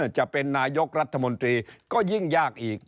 จะเป็นนายกรัฐมนตรีก็ยิ่งยากอีก